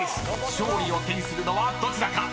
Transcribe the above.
［勝利を手にするのはどちらか］